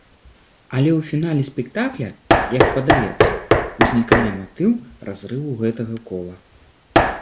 Але ў фінале спектакля, як падаецца, узнікае матыў разрыву гэтага кола.